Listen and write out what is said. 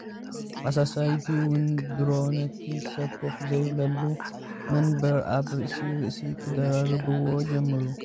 ኣሳሰይቲ’ውን ድሮ ነቲ ሰብ ኮፍ ዘይበሎ መናብር ኣብ ርእሲ- ርእሲ ክደራርባኦ ጀመራ።